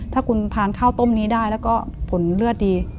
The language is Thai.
ถ้าคุณทานข้าวต้มนี้ได้แล้วก็ผลเลือดดี